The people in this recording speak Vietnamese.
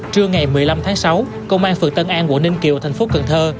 trưa ngày một mươi năm tháng sáu công an phường tân an quận ninh kiều thành phố cần thơ